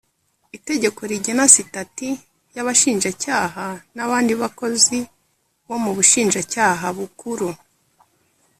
itegeko rigena sitati y abashinjacyaha n abandi bakozi bo mu bushinjacyaha bukuru